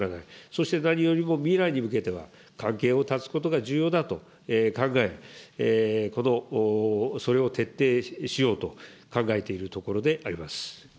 そして何よりも、未来に向けては、関係を断つことが重要だと考え、それを徹底しようと考えているところであります。